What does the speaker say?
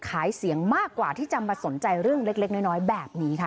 เสียงมากกว่าที่จะมาสนใจเรื่องเล็กน้อยแบบนี้ค่ะ